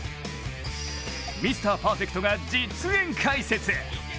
ミスターパーフェクトが実演解説！